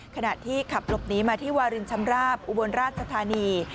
ขณะที่ขับหลบหนีมาที่วารินชำราบอุบลราชธานี